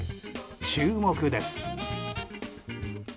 注目です。